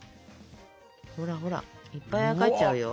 ほらほらいっぱいあやかっちゃうよ。